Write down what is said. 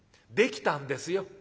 できたんですよ」。